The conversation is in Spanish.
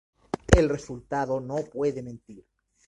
El resultado no puede mentir.